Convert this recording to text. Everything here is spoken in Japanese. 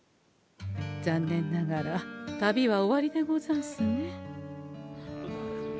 ざんねんながら旅は終わりでござんすね。